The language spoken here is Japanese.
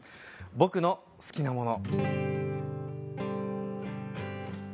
「僕の好きなもの」